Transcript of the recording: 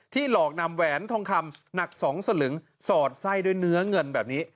หลอกนำแหวนทองคำหนัก๒สลึงสอดไส้ด้วยเนื้อเงินแบบนี้